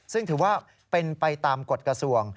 ซึ่งถือว่าเป็นไปตามกฎกระทรวง